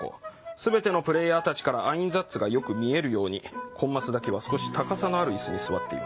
全てのプレーヤーたちからアインザッツがよく見えるようにコンマスだけは少し高さのある椅子に座っています。